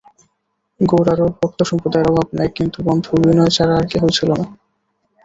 গোরারও ভক্তসম্প্রদায়ের অভাব নাই, কিন্তু বন্ধু বিনয় ছাড়া আর কেহই ছিল না।